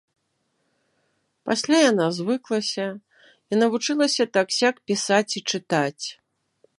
Пасля яна звыклася і навучылася так-сяк пісаць і чытаць.